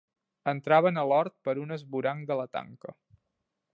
Entraven a l'hort per un esvoranc de la tanca.